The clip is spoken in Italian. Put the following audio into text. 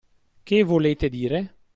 Che volete dire?